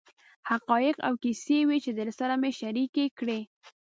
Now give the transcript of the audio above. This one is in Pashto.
حقایق او کیسې وې چې درسره مې شریکې کړې.